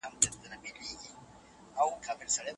ته باید د خپل عمر د غوښتنو سره سم عمل وکړې.